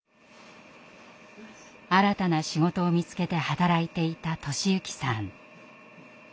新たな仕事を見つけて働いていた寿之さん。